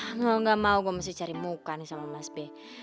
ah mau gak mau gue masih cari muka nih sama mas b